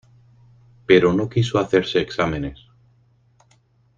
Pero no quiso hacerse exámenes.